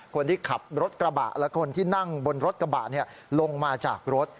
คนที่ขับรถกระบะและคนที่นั่งบนรถกระบะลงมาจากรถ